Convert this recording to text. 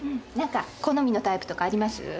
なんか好みのタイプとかあります？